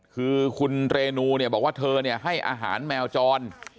คือคุณเรนูเนี่ยบอกว่าเธอให้อาหารแมวจร